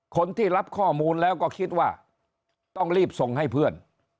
คนที่รับข้อมูลแล้วก็คิดว่าต้องรีบส่งให้เพื่อน